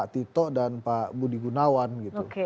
tito dan pak budi gunawan gitu